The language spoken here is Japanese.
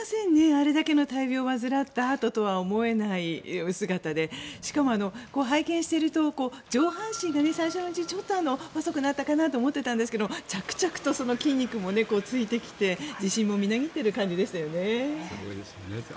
あれだけの大病を患ったとは思えない姿でしかも拝見していると上半身がちょっと細くなったかなと思っていたんですが着々と筋肉もついてきて自信もみなぎってる感じでした。